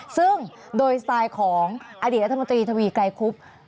ซึ่งโดยสไตล์ของอดีตรัฐมนตรีทวีไกรคุบ